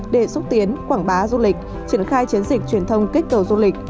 để xúc tiến quảng bá du lịch triển khai chiến dịch truyền thông kích cầu du lịch